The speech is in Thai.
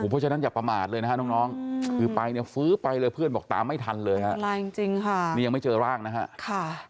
เพราะฉะนั้นอย่าประมาสเลยนะฮะน้อง